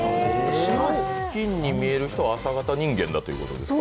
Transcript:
金に見える人は朝型人間だということですか。